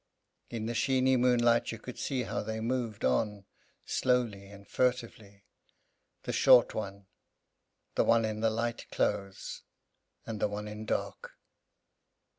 In the sheeny moonlight you could see how they moved on, slowly and furtively; the short one, and the one in light clothes, and the one in dark.